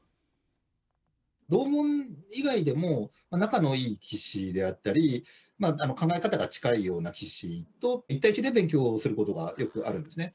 同門以外でも仲のいい棋士であったり、考え方が近いような棋士と、１対１で勉強会をすることがよくあるんですね。